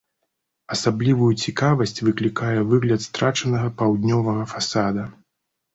Асаблівую цікавасць выклікае выгляд страчанага паўднёвага фасада.